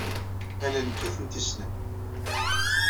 Ala nekk ay tent-yessnen.